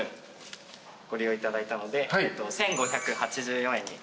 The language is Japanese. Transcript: ご利用いただいたので１，５８４円になります。